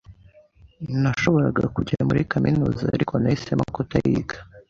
Nashoboraga kujya muri kaminuza, ariko nahisemo kutayiga.